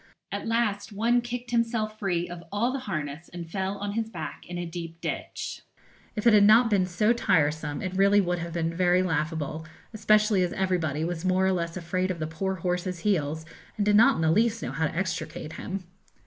At last one kicked himself free of all the harness, and fell on his back in a deep ditch. If it had not been so tiresome, it really would have been very laughable, especially as everybody was more or less afraid of the poor horse's heels, and did not in the least know how to extricate him.